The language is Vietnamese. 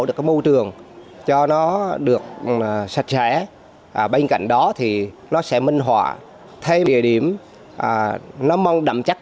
được cái môi trường cho nó được sạch sẽ bên cạnh đó thì nó sẽ minh hỏa thêm địa điểm nó mong đậm chắc